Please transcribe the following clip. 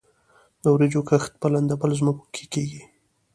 د وریجو کښت په لندبل ځمکو کې کیږي.